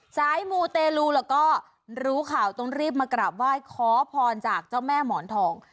สายมูเตลูแล้วก็รู้ข่าวต้องรีบมากราบไหว้ขอพรจากเจ้าแม่หมอนทอง